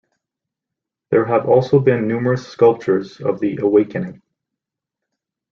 There have also been numerous sculptures of the "awakening".